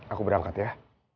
aku berangkat ya